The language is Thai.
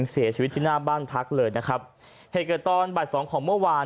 เสียชีวิตที่หน้าบ้านพักเลยนะครับเหตุเกิดตอนบ่ายสองของเมื่อวาน